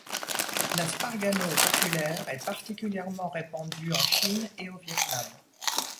La sparganose oculaire est particulièrement répandue en Chine et au Vietnam.